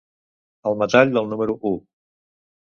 El metall del número u.